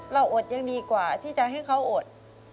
อดยังดีกว่าที่จะให้เขาอด